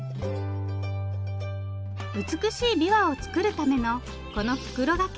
美しいびわを作るためのこの袋がけ。